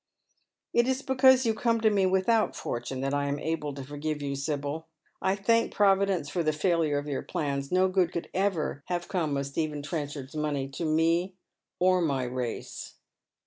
" It is because you come to me without fortune that I am able to forgive you, Sibyl. I thank Providence for the failure of your plans. No good could ever have come of Stephen Tren chard's money to me or my race."